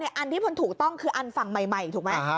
อันที่มันถูกต้องคืออันฝั่งใหม่ถูกไหม